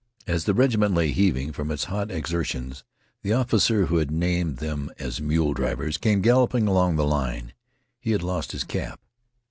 As the regiment lay heaving from its hot exertions the officer who had named them as mule drivers came galloping along the line. He had lost his cap.